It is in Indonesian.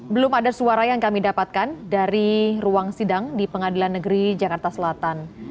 belum ada suara yang kami dapatkan dari ruang sidang di pengadilan negeri jakarta selatan